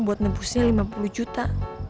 buat nebusnya lima puluh juta